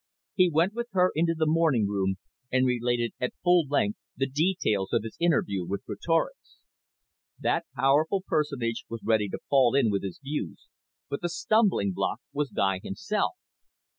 He went with her into the morning room, and related at full length the details of his interview with Greatorex. That powerful personage was ready to fall in with his views but the stumbling block was Guy himself.